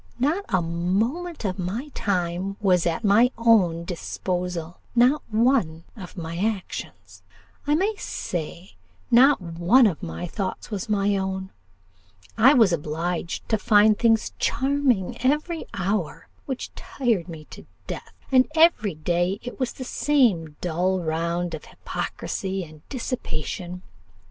Not a moment of my time was at my own disposal not one of my actions; I may say, not one of my thoughts was my own; I was obliged to find things 'charming' every hour, which tired me to death; and every day it was the same dull round of hypocrisy and dissipation.